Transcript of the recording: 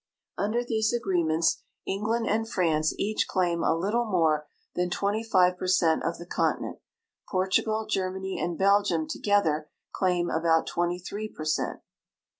Under these agfeements England and France each claim a little more than twenty five per cent of the Continent ; Portugal, Germany, and Belgium together claim about twenty three per cent.